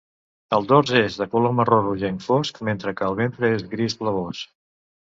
El dors és de color marró rogenc fosc, mentre que el ventre és gris blavós.